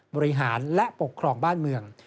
บริหารและปกครองบ้านเมือง